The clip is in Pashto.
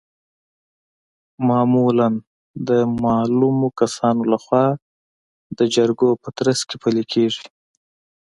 معمولا د معلومو کسانو لخوا د جرګو په ترڅ کې پلي کیږي.